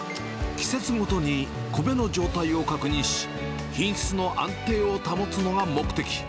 季節ごとに米の状態を確認し、品質の安定を保つのが目的。